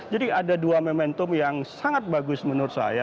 jadi ada dua momentum yang sangat bagus menurut saya